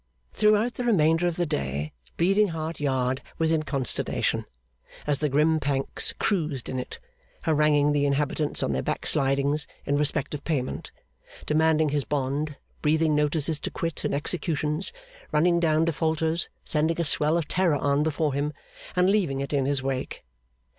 Throughout the remainder of the day, Bleeding Heart Yard was in consternation, as the grim Pancks cruised in it; haranguing the inhabitants on their backslidings in respect of payment, demanding his bond, breathing notices to quit and executions, running down defaulters, sending a swell of terror on before him, and leaving it in his wake.